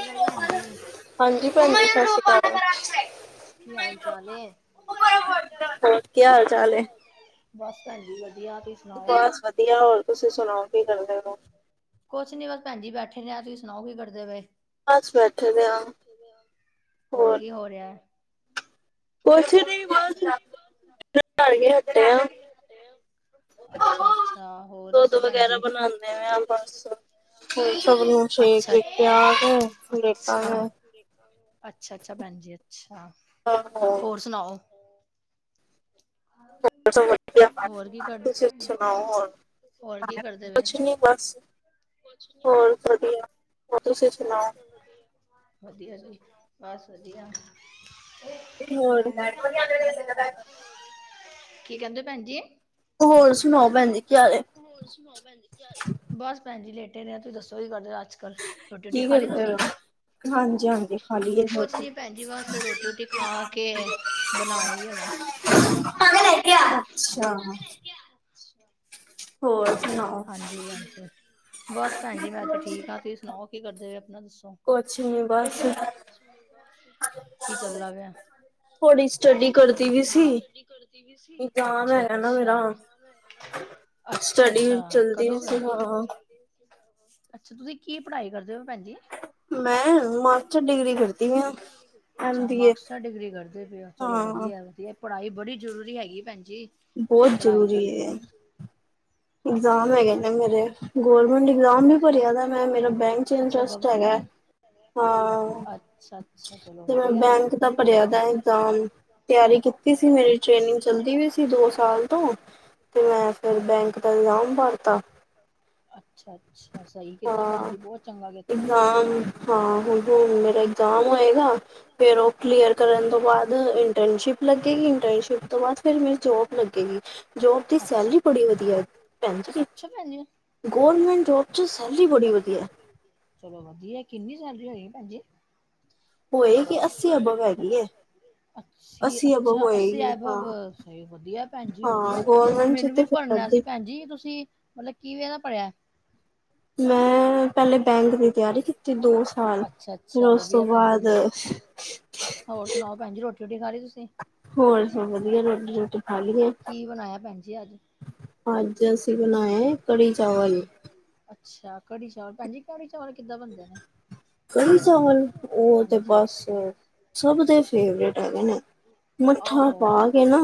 Hello ਭੈਣ ਜੀ। ਹਾਂਜੀ ਭੈਣ ਜੀ ਸਤਿ ਕੀ ਸ਼੍ਰੀ ਹਾਲ ਚਾਲ ਹੈ? ਅਕਾਲ ਹੋਰ ਕੀ ਹਾਲ ਚਾਲ ਹੈ ਬਸ ਹਾਂਜੀ ਵਧੀਆ ਤੁਸੀ? ਬਸ ਵਧੀਆ, ਹੋਰ ਤੁਸੀਂ ਸੁਣਾਓ, ਕੀ ਕਰਦੇ ਹੋ? ਕੁਛ ਨੀ ਬਸ ਭੈਣ ਜੀ ਬੈਠੇ ਨੇ ਆ ਤੁਸੀਂ ਸੁਣਾਓ ਕੀ ਕਰਦੇ ਪਏ? ਬਸ ਬੈਠੇ ਦੇ ਬਸ ਆ ਬੈਠੇ ਦੇ ਆ ਹੋਰ ਕੀ ਹੋ ਰਿਹਾ ਹੈ? ਕੁਛ। ਨਹੀਂ ਕੁਛ ਬਸ ਨਹੀਂ ਬਸ। ਘਰ ਗਏ। ਤੇ ਦੁੱਧ ਵਗੈਰਾ ਜੀ ਬਣਾਉਂਦੇ ਪਏ ਆ ਬਸ। ਸਭ ਨੂੰ ਸੇਕ ਦੇ ਕੇ ਆ ਕੇ ਲੇਟਾ। ਹਾਂ। ਅੱਛਾ, ਅੱਛਾ, ਭੈਣ ਜੀ, ਅੱਛਾ। ਹਾਂ ਹਾਂ। ਹੋਰ ਸੁਣਾਓ? ਸਭ ਵਧੀਆ ਹੋਰ ਕੀ ਕਰਦੇ ਤੁਸੀਂ ਪਏ ਆ। ਸੁਣਾਓ ਹੋਰ ਹੋਰ ਕੀ ਕਰਦੇ ਪਏ ਕੁਛ ਨਹੀਂ ਬਸ ਕੁਛ ਨਿ ਹੋਰ ਬਸ। ਵਧੀਆ ਹੋਰ ਤੁਸੀਂ ਸੁਣਾਓ? ਵਧੀਆ ਜੀ, ਬਸ ਵਧੀਆ। [inaudible] ਹੋਰ ਕੀ ਕਹਿੰਦੇ ਭੈਣ ਜੀ? ਹੋਰ ਸੁਣਾਓ ਭੈਣ ਜੀ ਕੀ ਹਾਲ ਏ? ਹੋਰ ਸੁਣਾਓ ਭੈਣ ਜੀ ਕੀ ਹਾਲ ਹੈ ਬਸ ਭੈਣ ਜੀ ਲੇਟੇ ਹੋਏ ਆ। ਤੁਸੀਂ ਦੱਸੋ ਕੀ ਕਰਦੇ ਹੋ ਅੱਜ। ਕੱਲ ਰੋਟੀ ਰੂਟੀ ਖਾ ਲਈ ਤੁਸੀਂ? ਹਾਂਜੀ ਹਾਂਜੀ ਖਾ ਲਈ। ਕੁਛ ਨੀ ਭੈਣ ਜੀ ਬਸ ਰੋਟੀ ਰੋਟੀ ਖਾ ਕੇ ਬਣਾਈ ਹੁਣੇ। ਕਿਹਾ ਲੈ ਕੇ ਆ। ਸੁਣਾਓ? ਹਾਂਜੀ ਹਾਂਜੀ। ਬਸ ਭੈਣ ਜੀ, ਮੈਂ ਤੇ ਠੀਕ ਹਾਂ ਤੁਸੀਂ ਸੁਣਾਓ ਕੀ ਕਰਦੇ ਹੋ ਆਪਣਾ ਦੱਸੋ? ਕੁਛ ਨੀ ਬਸ ਕੀ ਚੱਲਦਾ ਪਿਆ? ਥੋੜੀ ਸਟੱਡੀ ਕਰਦੀ ਵੀ ਥੋੜੀ ਸੀ। ਸਟਡੀ ਕਰਦੀ ਪਈ ਸੀ ਇਗਜ਼ਾਮ ਅਛਾ ਹੈਗਾ ਨਾ ਮੇਰਾ। ਅੱਛਾ। ਅੱਛਾ ਸਟੱਡੀ ਅੱਛਾ ਚਲਦੀ ਵੀ ਕਦੋਂ ਵੈ? ਸੀ। ਹਾਂ ਅੱਛਾ, ਤੁਸੀਂ ਕੀ ਪੜ੍ਹਾਈ ਕਰਦੇ ਹੋ ਭੈਣ ਜੀ? ਮੈਂ ਮਾਸਟਰ ਮੈਂ ਡਿਗਰੀ ਕਰਦੀ ਪਈ ਆ। ਮਾਸਟਰ ਡਿਗਰੀ ਕਰਦੀ ਪਈ ਐਮ ਅੱਛਾ ਬੀ ਏ। ਮਾਕਸਟਰ ਡਿਗਰੀ ਕਰਦੇ ਪਏ ਚਲੋ ਹਾਂ, ਵਧੀਆ। ਵਧੀਆ ਪੜ੍ਹਾਈ ਬੜੀ ਜ਼ਰੂਰੀ ਹੈਗੀ ਭੈਣਜੀ। ਬਹੁਤ ਜ਼ਰੂਰੀ ਏ। ਇਗਜ਼ਾਮ ਹਾਂਜੀ ਹੈਗੇ ਨੇ ਮੇਰੇ, ਗਵਰਮੈਂਟ ਇਗਜ਼ਾਮ ਵੀ ਬਸ ਭਰਿਆ ਦਾ ਮੈਂ ਮੇਰਾ ਬੈਂਕ। ਵਿੱਚ ਅੱਛਾ ਇੰਟਰਸਟ ਹੈਗਾ ਗਵਰਮੈਂਟ ਹਾਂ ਅੱਛਾ-ਅੱਛਾ ਚਲੋ ਜਿਵੇਂ ਵਧੀਆ ਐ। ਬੈਂਕ ਦਾ। ਭਰਿਆ ਦਾ ਇਗਜ਼ਾਮ। ਤਿਆਰੀ ਕੀਤੀ ਸੀ ਮੇਰੀ ਟ੍ਰੇਨਿੰਗ ਚੱਲਦੀ ਵੀ ਸੀ ਦੋ ਸਾਲ ਤੋਂ ਤੇ ਮੈਂ ਫਿਰ ਬੈਂਕ ਨਾਮ ਭਰਤਾ ਅੱਛਾ ਅੱਛਾ, ਸਹੀ ਕੀਤਾ ਭੈਣ ਹਾਂ ਜੀ ਬਹੁਤ ਚੰਗਾ ਕੀਤਾ ਇਗਜ਼ਾਮ ਹਾਂ, ਹੁਨ ਹੁਨ ਮੇਰਾ ਏਗਜ਼ਾਮ ਹੋਏਗਾ ਫਿਰ ਉਹ ਕਲੀਅਰ ਕਰਨ ਤੋਂ ਬਾਅਦ ਇੰਟਰਨਸ਼ਿਪ ਲੱਗੇਗੀ। ਇੰਟਰਨਸ਼ਿਪ ਤੋਂ ਬਾਅਦ ਫਿਰ ਮੇਰੀ ਜੋਬ ਲੱਗੇਗੀ ਜੋਬ ਦੀ ਅੱਛਾ, ਸੈਲਰੀ ਬੜੀ ਵਧੀਆ ਭੈਨ ਜੀ, ਅੱਛਾ ਭੈਣ ਜੀ ਗੌਰਮੈਂਟ ਜੋਬ ਸੈਲਰੀ ਬੜੀ ਵਧੀਆ ਚਲੋ ਵਧੀਆ, ਕਿੰਨੀ ਸੈਲਰੀ ਹੋਏਗੀ ਭੈਨ ਜੀ ਹੋਏ ਗੀ ਅੱਸੀ ਅਬਵ ਹੈਗੀ ਏ ਅੱਛ ਅੱਛਾ ਅਸੀਂ ਹਾਂ ਐਬਵ, ਵਧੀਆ ਭੈਣ ਜੀ ਵਧੀਆ ਹਾਂ ਗੌਰਮੈਂਟ ਚ ਮੈਨੂੰ ਵੀ ਤੇ ਫਿਰ ਭਣਨਾ ਸੀ ਅੱਧੀ ਭੈਨ ਜੀ, ਤੁਸੀਂ ਮਤਲਬ ਕਿਵੇਂ ਦਾ ਭਰਿਐ ਮੈਂ ਪਹਿਲੇ ਬੈਂਕ ਦੀ ਤਿਆਰੀ ਕੀਤੀ ਦੋ ਸ ਸਾਲ, ਫਿਰ ਅੱਛਾ-ਅੱਛਾ ਉਸ ਤੋਂ ਵਧੀਆ ਭੈਣ ਬਾਅਦ ਜੀ। ਹੋਰ ਸੁਨਾਓ ਭੈਨਜੀ, ਰੋਟੀ ਰੁਟੀ ਖਾ ਲੀ ਤੁਸੀਂ? ਹੋਰ ਸਭ ਵਧੀਆ? ਰੋਟੀ ਰੁਟੀ ਖਾ ਲਈਏ ਕੀ ਬਨਾਇਆ ਭੈਨ ਜੀ ਅੱਜ ਅੱਜ ਅਸੀਂ ਬਨਾਏ ਕੜੀ ਚਾਵਲ ਅੱਛਾ ਕੜੀ ਚਾਵਲ, ਭੈਨਜੀ ਕੜੀ ਚਾਵਲ ਕਿੱਦਾਂ ਬਨਦੇ ਨੇ? ਕੜੀ ਚਾਵਲ ਉਹ ਤੇ ਹਾਂਜੀ ਬਸ ਸਭ ਦੇ ਫੇਵਰੇਟ ਹੈਗੇ ਨੇ ਮੱਠਾ ਆਹੋ ਪਾ ਕੇ ਨਾ,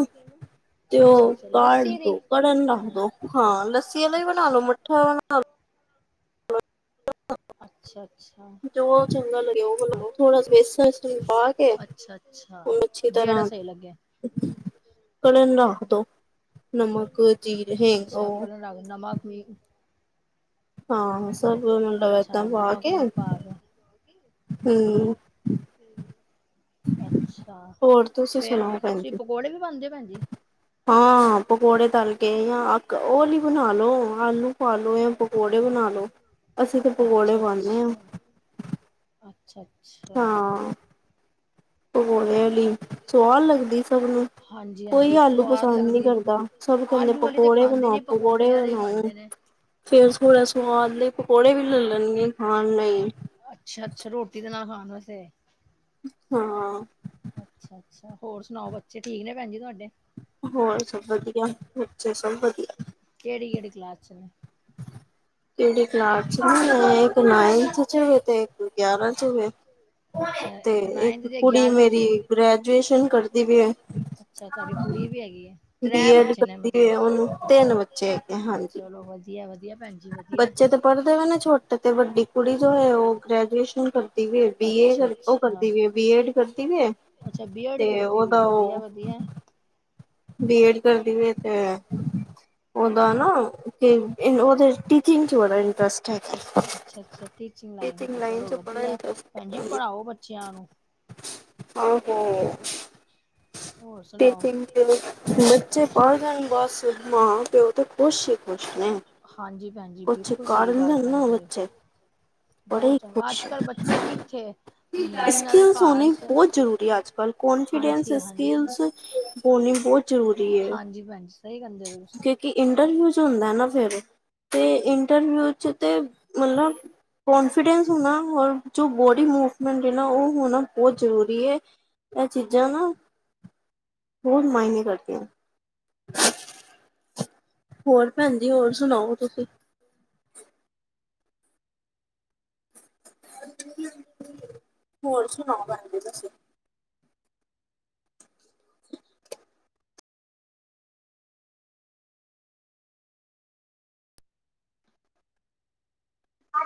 ਤੇ ਉਹ ਅੱਛਾ-ਅੱਛਾ ਕਾੜ ਲੱਸੀ ਦੀ ਦੋ ਕੜਨ ਰੱਖ ਦੋ ਹਾਂ, ਲੱਸੀ ਆਲਾ ਈ ਬਣਾ ਲੋ ਮੱਠਾ ਵਾਲਾ ਵੀ ਬਣਾ ਲਓ ਹ ਅੱਛਾ ਅੱਛਾ, ਜੋ ਚੰਗਾ ਲੱਗੇ ਉਹ ਬਣਾ ਅੱ ਲੋ ਥੋੜਾ ਬੇਸਣ ਪਾ ਕੇ ਅੱਛਾ ਅੱ ਅੱਛਾ, ਉਹਨੂੰ ਅੱਛੀ ਜਿਹੜਾ ਤਰ੍ਹਾਂ ਸਹੀ ਲੱਗੇ ਕੜਨ ਰੱਖ ਦੋ, ਨਮਕ ਅੱਛਾ ਜੀਰੇ ਹਿੰਗ ਔਰ ਕਲਰ ਨਮਕ ਵੀ ਹਾਂ, ਸਬ ਮਤਲਬ ਏਦਾਂ ਅੱਛਾ ਪਾ ਨਮਕ ਕੇ, ਉਮਕ ਪਾ ਕੇ ਹ ਅੱਛਾ, ਹੋਰ ਤੁਸੀਂ ਫੇਰ ਸੁਣਾਓ ਭੈਣ ਤੁਸੀਂ ਜੀ ਪਕੌੜੇ ਵੀ ਪਾਦੇ ੳ ਭੈਨ ਜੀ ਹਾਂ ਪਕੌੜੇ ਤਲ ਕੇ ਜਾਂ ਓਹਲੀ ਬਣਾ ਲੋ ਆਲੂ ਪਾਲੋ ਜਾਂ ਪਕੌੜੇ ਬਣਾ ਲਓ ਅਸੀਂ ਤਾਂ ਪਕੌੜੇ ਅੱਛਾ ਪਾਨੇ ਆ ਅੱਛਾ ਅੱਛਾ, ਅੱਛਾ। ਹਾਂ ਪਕੌੜੇ ਆਲੀ ਸੁਆਦ ਲੱਗਦੀ ਏ ਸਭ ਨੂੰ ਹਾਂਜੀ ਕੋਈ ਹਾਂਜੀ ਆਲੂ ਸਵਾਦ ਪਸੰਦ ਨਹੀ ਲੱਗਦੀ ਹੈ ਕਰਦਾ। ਸਭ ਕਹਿੰਦੇ ਆਲੂ ਵਾਲੀ ਤਾਂ ਪਕੌੜੇ ਖਾਂਦੇ ਬਨਾਓ, ਨੀ ਪਕੌੜੇ ਵਾਲੇ ਬਨਾਓ। ਖਾਂਦੇ ਨੇ ਫੇਰ ਥੋੜ੍ਹਾ ਸੁਵਾਦ ਲਈ ਪਕੌੜੇ ਵੀ ਲੈ ਲਿਲਨਗੇ ਖਾਨ ਲਈ ਅੱਛਾ, ਅੱਛਾ ਰੋਟੀ ਤੇ ਨਾਲ ਖਾੜ ਵਾਸਤੇ ਹਾਂ ਅੱਛਾ, ਅੱਛਾ ਹੋਰ ਸੁਨਾਓ ਬੱਚੇ ਠੀਕ ਨੇ ਭੈਨ ਜੀ ਤੁਹਾਡੇ ਹੋਰ ਸਭ ਵਧੀਆ, ਬੰਚੇ ਸਭ ਵਧੀਆ। ਕੇਹੜੀ ਕੇਹੜੀ ਕਲਾਸ ਚ ਨੇ ਕੇਹੜੀ ਕਲਾਸ ਚ ਨੇ, ਇੱਕ ਨਾਈਨਥ ਚ ਤੇ ਇੱਕ ਗਿਆਰਾਂ ਚ ਵੇ ਅੱਛਾ ਤੇ ਨਾਈਨਥ ਇੱਕ ਤੇ ਕੁੜੀ ਗਿਆਰਵੀਂ ਚ ਮੇਰੀ ਹੈ। ਗ੍ਰੈਜੂਏਸ਼ਨ ਕਰਦੀ ਪਈ ਏ ਅੱਛਾ ਤੁਹਾਡੀ ਕੁੜੀ ਵੀ ਹੈਗੀ ਹੈ ਤ੍ਰੈ ਬੀਐਡ ਬੱਚੇ ਨੇ ਕਰਦੀ ਪਈ ਮਤਲਬ ਉਹਨੂੰ ਤਿੰਨ ਬੱਚੇ ਹੈਗੇ ਹਾਂਜੀ। ਚਲੋ ਵਧੀਆ ਵਧੀਆ ਭੈਨਜੀ ਬੱਚੇ ਤੇ ਪੜ੍ਹਦੇ ਪਏ ਨੇ ਛੋਟੇ ਤੇ ਵੱਡੀ ਕੁੜੀ ਜੋ ਹੈ ਉਹ ਗ੍ਰੈਜੂਏਸ਼ਨ ਕਰਦੀ ਬੀ ਏ ਅੱਛਾ ਕਰ, ਉਹ ਅੱਛਾ ਕਰਦੀ ਬੀਐਡ ਕਰਦੀ ਪਈ ਅੱਛਾ ਬੀਐਡ ਤੇ ਕਰਦੀ ਵੀ ਉਹਦਾ ਵਧੀਆ ਉਹ ਵਧੀਆ ਬੀ ਐਡ ਕਰਦੀ ਪਈ ਹ ਤੇ ਉਹਦਾ ਨਾ, ਉਹਦੇ ਟੀਚਿੰਗ ਚ ਬੜਾ ਇੰਟਰਸਟ ਅੱਛਾ ਹੈਗਾ ਅੱਛਾ ਅੱਛਾ ਟੀਚਿੰਗ ਲਾਈਨ ਤੇ ਚਲੋ ਚ ਬੜਾ ਵਧੀਆ ਇੰਟਰਸਟ ਭੈਨ ਜੀ, ਹੈਗਾ। ਪੜ੍ਹਾਓ ਬੱਚਿਆਂ ਨੂੰ ਆਹੋ, ਹੋਰ ਸੁਣਾਓ ਟੀਚਿੰਗ ਤੇ ਬੱਚੇ ਪੜ੍ਹ ਜਾਨ ਬਸ, ਮਾ ਪਿਉ ਤੇ ਖੁਸ਼ ਹੀ ਖੁਸ਼ ਨੇ ਹਾਂਜੀ ਭੈਣ ਜੀ ਕੁਛ ਬਿਲਕੁਲ ਸਹੀ ਕਰਨ ਗੱਲ ਦੇਣ ਨਾ ਕਹਦੇ ਬੱਚੇ ਬੜੇ ਬਹੁਤ ਹੀ ਚੰਗਾ ਅੱਜ ਖੁਸ਼ ਕੱਲ੍ਹ ਬੱਚੇ ਕਿੱਥੇ ਜਿਨਾਂ ਦੇ ਸਕਿੱਲਸ ਘਰ ਹੋਣੀ ਸ- ਬਹੁਤ ਜ਼ਰੂਰੀ ਅੱਜ ਕੱਲ੍ਹ ਕਾਨਫੀਡੈਂਸ ਹਾਂਜੀ ਹਾਂਜੀ ਐਕਸਪੀਰੀਅਸ ਬੋਣੀ ਬਹੁਤ ਜ਼ਰੂਰੀ ਏ ਹਾਂਜੀ ਭੈਣ ਜੀ ਸਹੀ ਕਹਿੰਦੇ ਪਏ ਤੁਸੀਂ। ਕਿ ਇੰਟਰਵਿਊਜ ਹੁੰਦਾ ਨਾ ਫਿਰ ਤੇ ਇੰਟਰਵਿਊ ' ਤੇ ਮਤਲਬ ਕੋਂਨਫੀਡੈਂਸ ਹੋਣਾ ਔਰ ਜੋ ਬੋਡੀ ਮੂਵਮੈਂਟ ਹੈ ਨਾ ਉਹ ਹੋਣਾ ਬਹੁਤ ਜ਼ਰੂਰੀ ਏ ਇਹ ਚੀਜ਼ਾਂ ਨਾ ਬਹੁਤ ਮਾਇਨੇ ਕਰਦੀਆਂ। [unintelligible] ਹੋਰ ਭੈਣਜੀ ਹੋਰ ਸੁਣਾਓ ਤੁਸੀਂ? ਹੋਰ ਸੁਣਾਔ ਭੈਜੀ ਤੁਸੀਂ [unintelligible] ਹ [unintelligible]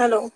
ਹੈਲੋ।